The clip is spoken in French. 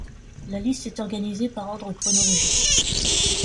La liste est organisée par ordre chronologique.